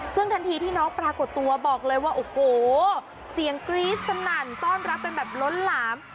ซึ่งทันทีที่น้องปรากฏตัวบอกเลยว่าโอ้โหเสียงกรี๊ดสนั่นต้อนรับเป็นแบบล้นหลาม